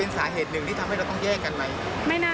สาเหตุหนึ่งที่ทำให้เราต้องแย่งกันไหม